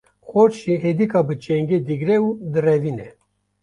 Xort jî hêdika bi çengê digre û direvîne.